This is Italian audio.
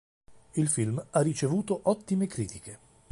Il film ha ricevuto ottime critiche.